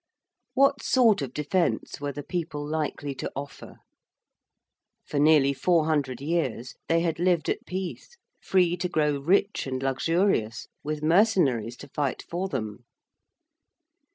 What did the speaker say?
What sort of defence were the people likely to offer? For nearly four hundred years they had lived at peace, free to grow rich and luxurious, with mercenaries to fight for them.